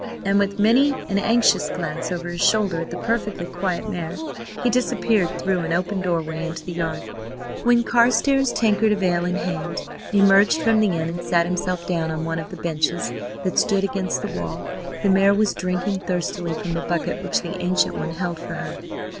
And with many an anxious glance over his shoulder at the perfectly quiet mare, he disappeared through an open doorway into the yard. When Carstares, tankard of ale in hand, emerged from the inn and sat himself down on one of the benches that stood against the wall, the mare was drinking thirstily from a bucket which the ancient one held for her.